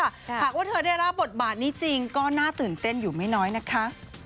หากว่าเธอได้รับบทบาทนี้จริงก็น่าตื่นเต้นอยู่ไม่น้อยนะคะ